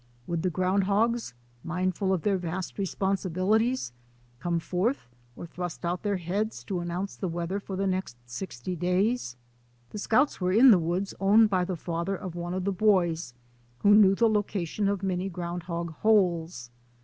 Would the ground hogs, mindful of their vast re sponsibilities, come forth or thrust out their heads to announce the weather for the next sixty days ? The scouts were in the woods owned by the father of one of the boys who knew the location of many ground hog holes.